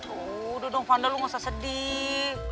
tuh udah dong fanda lu gak usah sedih